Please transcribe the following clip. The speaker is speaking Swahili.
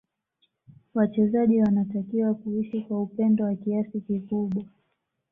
Wachezaji wanatakiwa kuishi kwa upendo wa kiasi kikubwa